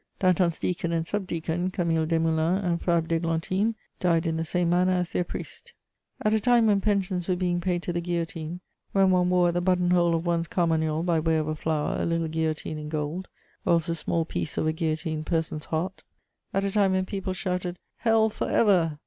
Danton's deacon and sub deacon, Camille Desmoulins and Fabre d'Églantine, died in the same manner as their priest. [Sidenote: Camille Desmoulins.] At a time when pensions were being paid to the guillotine, when one wore at the buttonhole of one's carmagnole, by way of a flower, a little guillotine in gold, or else a small piece of a guillotined person's heart; at a time when people shouted, "Hell for ever!"